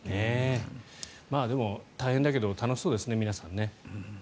でも、大変だけど楽しそうですね、皆さんね。